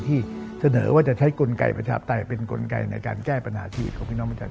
ที่เสนอว่าจะใช้กลไกประชาปไตยเป็นกลไกในการแก้ปัญหาชีวิตของพี่น้องประชาชน